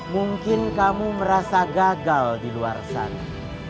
mungkin kamu merasa gagal di luar sana